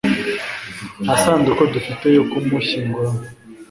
Nta sanduku dufite yo kumushyinguramo